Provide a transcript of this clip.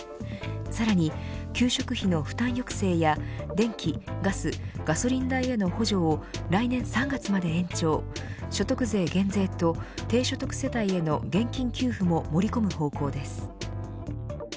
さらに、給食費の負担抑制や電気・ガスガソリン代への補助を来年３月まで延長所得税減税と低所得世帯への現金給付も盛り込む方向です。